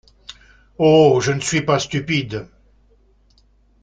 Oh, je ne suis pas stupide.